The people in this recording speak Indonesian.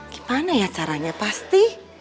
gimana ya caranya pasti